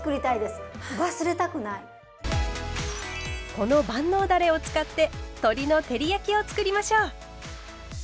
この万能だれを使って鶏の照り焼きをつくりましょう。